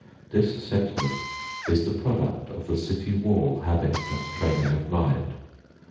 This sentiment is the product of the city wall habit and training of mind.